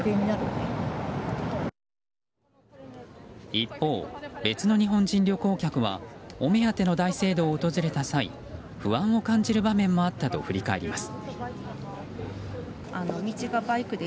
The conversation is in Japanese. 一方、別の日本人旅行客はお目当ての大聖堂を訪れた際不安を感じる場面もあったと振り返ります。